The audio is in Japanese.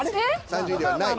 ３０位ではない。